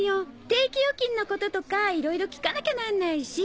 定期預金のこととかいろいろ聞かなきゃなんないし。